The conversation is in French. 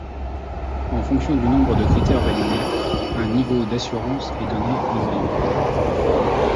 En fonction du nombre de critères validés, un niveau d’assurance est donné au noyau.